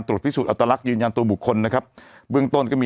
พิสูจนอัตลักษณ์ยืนยันตัวบุคคลนะครับเบื้องต้นก็มี